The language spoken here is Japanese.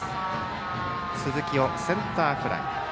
鈴木をセンターフライ。